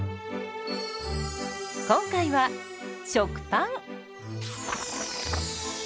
今回は食パン。